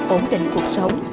ổn định cuộc sống